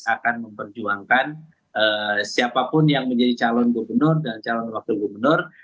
akan memperjuangkan siapapun yang menjadi calon gubernur dan calon wakil gubernur